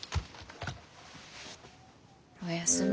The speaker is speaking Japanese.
おやすみ。